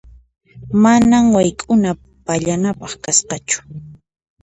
Manan wayk'una pallanapaq kasqachu.